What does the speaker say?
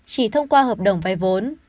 chỉ thông qua hợp đồng vay vốn